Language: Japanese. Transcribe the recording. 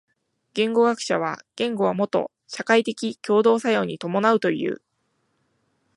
言語学者は言語はもと社会的共同作用に伴うという。